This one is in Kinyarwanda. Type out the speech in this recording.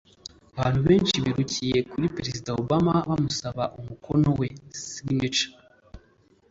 abantu benshi birukiye kuri Perezida Obama bamusaba umukono we (signature)